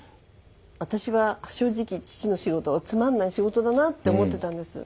私は正直父の仕事をつまんない仕事だなって思ってたんです。